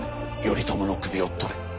頼朝の首を取れ。